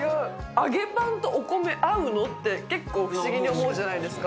揚げパンとお米合うのって結構不思議に思うじゃないですか。